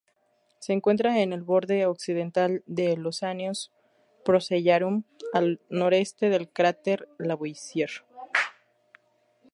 Se encuentra en el borde occidental del Oceanus Procellarum, al noreste del cráter Lavoisier.